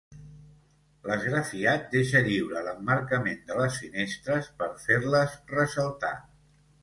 L'esgrafiat deixa lliure l'emmarcament de les finestres, per fer-les ressaltar.